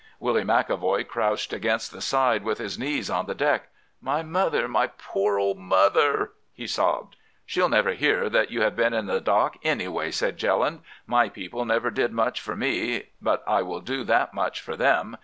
"Willy McEvoy crouched against the side with his knees on the deck. 'My mother! my poor old mother!' he sobbed. "'She'll never hear that you have been in the dock anyway,' said Jelland. 'My people never did much for me, but I will do that much for them.